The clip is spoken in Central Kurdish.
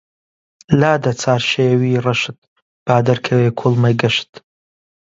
لادە چارشێوی ڕەشت با دەرکەوێ کوڵمەی گەشت